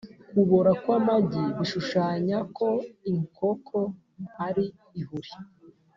kubora kw’amagi bishushanya ko inkoko ari ihuri